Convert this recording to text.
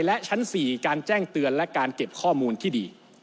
และชั้น๔การแจ้งเตือนและการเก็บข้อมูลที่ดี